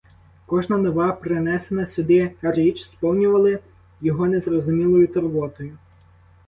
Кожна нова принесена сюди річ сповнювали його незрозумілою турботою.